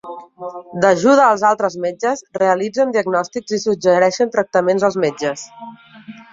D'ajuda als altres metges, realitzen diagnòstics i suggereixen tractaments als metges.